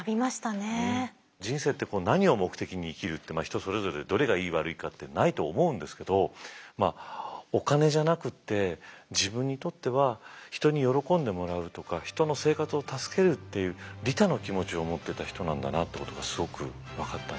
人生って何を目的に生きるって人それぞれどれがいい悪いかってないと思うんですけどお金じゃなくて自分にとっては人に喜んでもらうとか人の生活を助けるっていう利他の気持ちを持ってた人なんだなってことがすごく分かったね。